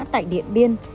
tại điện biên